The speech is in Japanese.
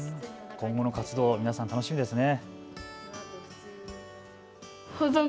今後の活動、楽しみですね。